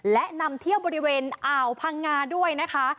และนำเที่ยวบริเวณอ่าวพังงาด้วยนะคะ